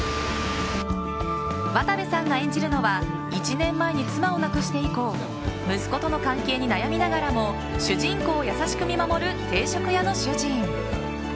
渡部さんが演じるのは１年前に妻を亡くして以降息子との関係に悩みながらも主人公を優しく見守る定食屋の主人。